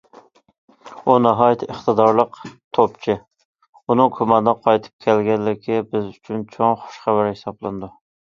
ئۇ ناھايىتى ئىقتىدارلىق توپچى، ئۇنىڭ كوماندىغا قايتىپ كەلگەنلىكى بىز ئۈچۈن چوڭ خوش خەۋەر ھېسابلىنىدۇ.